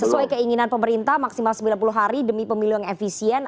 sesuai keinginan pemerintah maksimal sembilan puluh hari demi pemilu yang efisien